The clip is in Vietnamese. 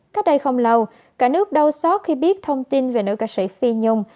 cách đây không lâu cả nước đau xót khi biết thông tin về nữ ca sĩ phi nhung